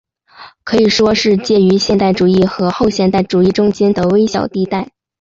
可以说是介于现代主义和后现代主义中间的微小地带。